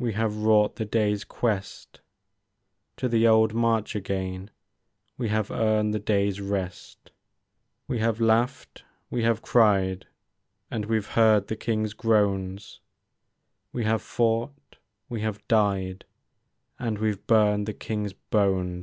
We have wrought the day's quest ; To the old march again We have earned the day's rest ; We have laughed, we have cried, And we 've heard the King's groans ; We have fought, we have died, And we 've burned the King's bones.